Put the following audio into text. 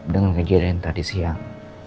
dengan kejadian tadi siang